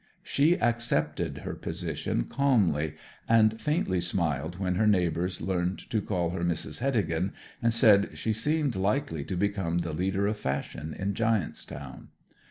She accepted her position calmly, and faintly smiled when her neighbours learned to call her Mrs. Heddegan, and said she seemed likely to become the leader of fashion in Giant's Town.